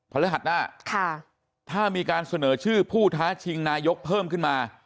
ฤหัสหน้าถ้ามีการเสนอชื่อผู้ท้าชิงนายกเพิ่มขึ้นมา